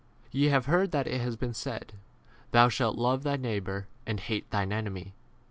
43 Ye have heard that it has been said, Thou shalt love thy neigh 44 bour and hate thine enemy.